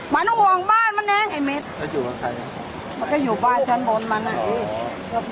มันต้องห่วงบ้านมันเองไอ้เม็ดมันก็อยู่บ้านชั้นบนมันอ่ะ